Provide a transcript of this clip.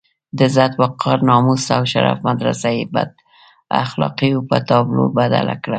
د عزت، وقار، ناموس او شرف مدرسه یې بد اخلاقيو په تابلو بدله کړه.